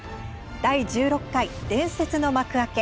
第１６回「伝説の幕開け」